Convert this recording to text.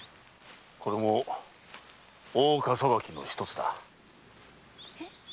これも大岡裁きの一つだ。